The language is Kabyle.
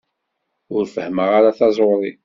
Ur fehmeɣ ara taẓuṛi.